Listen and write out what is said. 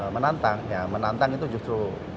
menantang menantang itu justru